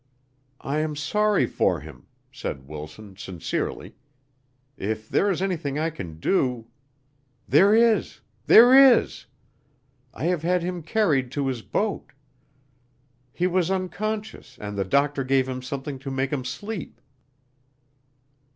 "I am sorry for him," said Wilson, sincerely. "If there is anything I can do " "There is! There is! I have had him carried to his boat. He was unconscious and the doctor gave him something to make him sleep."